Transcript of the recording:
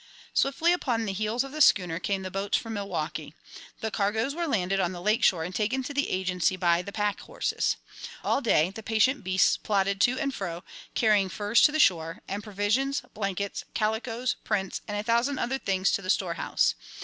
Swiftly upon the heels of the schooner came the boats from Milwaukee. The cargoes were landed on the lake shore and taken to the Agency by the pack horses. All day the patient beasts plodded to and fro, carrying furs to the shore, and provisions, blankets, calicoes, prints, and a thousand other things to the storehouse.